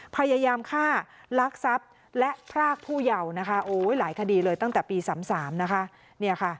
พยายามฆ่าลักษัพและพรากผู้เยาว์หลายคดีเลยตั้งแต่ปี๓๓